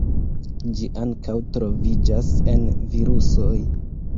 Ĝi ankaŭ troviĝas en virusoj.